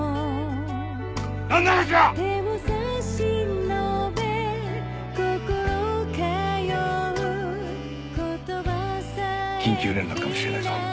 なんの話だ！？緊急連絡かもしれないぞ。